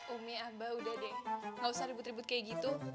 umi abah udah deh gak usah ribut ribut kayak gitu